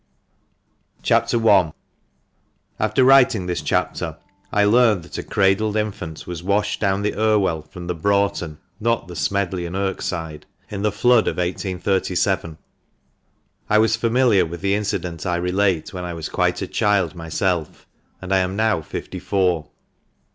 CHAP. I.— After writing this chapter, I learned that a cradled infant was washed down the Irwell from the Broughton, not the Smedley and Irk side, in the flood of 1837. I was familiar with the incident I relate when I was quite a child myself, and I am now fifty four.